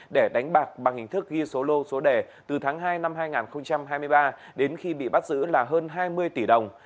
để đánh bạc bằng hình thức ghi số lô số đề từ tháng hai năm hai nghìn hai mươi ba đến khi bị bắt giữ là hơn hai mươi tỷ đồng